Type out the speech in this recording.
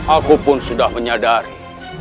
aku pun sudah menyadari